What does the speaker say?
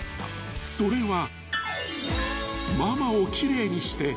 ［それは］